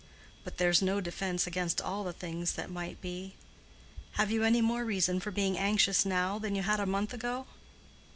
But there's no defense against all the things that might be. Have you any more reason for being anxious now than you had a month ago?"